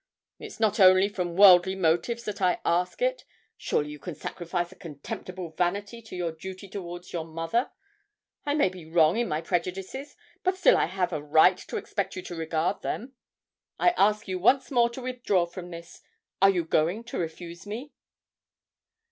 It's not only from worldly motives that I ask it. Surely you can sacrifice a contemptible vanity to your duty towards your mother. I may be wrong in my prejudices, but still I have a right to expect you to regard them. I ask you once more to withdraw from this. Are you going to refuse me?'